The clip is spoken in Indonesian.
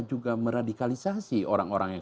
juga meradikalisasi orang orang yang